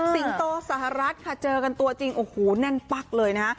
โตสหรัฐค่ะเจอกันตัวจริงโอ้โหแน่นปั๊กเลยนะฮะ